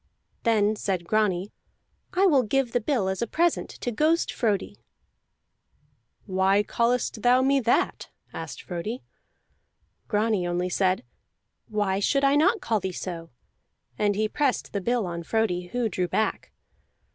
Then said Grani: "I will give the bill as a present to Ghost Frodi." "Why callest thou me that?" asked Frodi. Grani only said, "Why should I not call thee so?" and he pressed the bill on Frodi, who drew back.